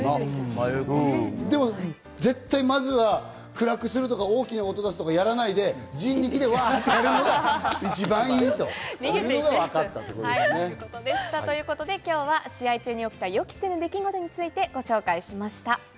でも、絶対にまずは暗くするとか、大きな音を出さないで、人力でわ！ってするのが一番いいというのがわかったと。ということで今日は試合中に起きた予期せぬ出来事についてご紹介しました。